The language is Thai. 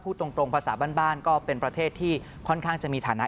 ตรงภาษาบ้านก็เป็นประเทศที่ค่อนข้างจะมีฐานะ